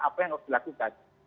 apa yang harus dilakukan